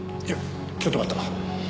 いやちょっと待った！